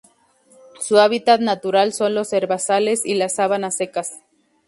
Su hábitat natural son los herbazales y las sabanas secas.